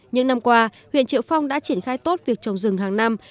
những năm qua huyện triệu phong đã triển khai tốt việc trồng rừng hàng năm